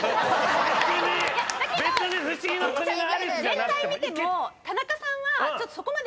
全体見ても田中さんはそこまで。